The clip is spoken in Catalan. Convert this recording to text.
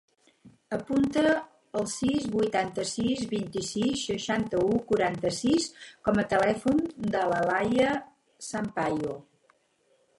Apunta el sis, vuitanta-sis, vint-i-sis, seixanta-u, quaranta-sis com a telèfon de l'Alaia Sampayo.